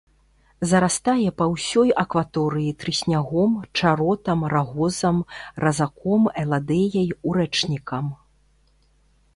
Зарастае па ўсёй акваторыі трыснягом, чаротам, рагозам, разаком, эладэяй, урэчнікам.